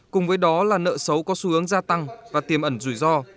cùng với đó là nợ xấu có xu hướng gia tăng và tiềm ẩn rủi ro